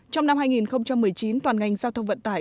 trong năm hai nghìn một mươi chín toàn ngành giao thông vận tải